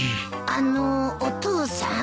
あのお父さん？